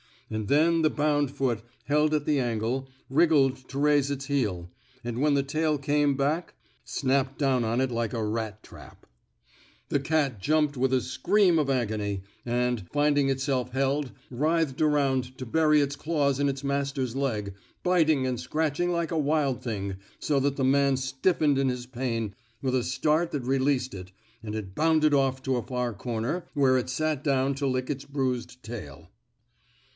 And then the bound foot, held at the ankle, wriggled to raise its heel, and, when the tail came back, snapped down on it like a rat trap. 86 ON CIRCUMSTANTIAL EVIDENCE The cat jumped with a scream of agony, and, finding itself held, writhed around to bury its claws in its master's leg, biting and scratching like a wild thing, so that the man stiffened in his pain with a start that re leased it, and it bounded off to a far comer, where it sat down to lick its bruised tail.